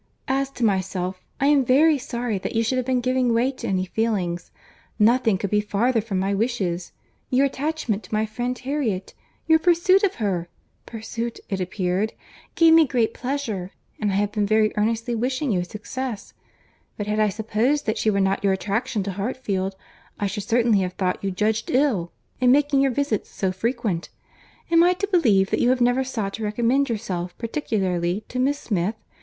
As to myself, I am very sorry that you should have been giving way to any feelings—Nothing could be farther from my wishes—your attachment to my friend Harriet—your pursuit of her, (pursuit, it appeared,) gave me great pleasure, and I have been very earnestly wishing you success: but had I supposed that she were not your attraction to Hartfield, I should certainly have thought you judged ill in making your visits so frequent. Am I to believe that you have never sought to recommend yourself particularly to Miss Smith?